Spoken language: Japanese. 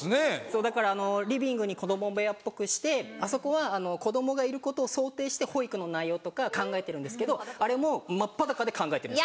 だからリビングに子供部屋っぽくしてあそこは子供がいることを想定して保育の内容とか考えてるんですけどあれも真っ裸で考えてるんです。